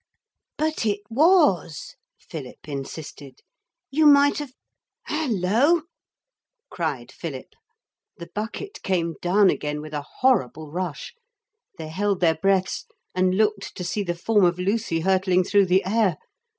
'But it was,' Philip insisted. 'You might have hullo!' cried Philip. The bucket came down again with a horrible rush. They held their breaths and looked to see the form of Lucy hurtling through the air.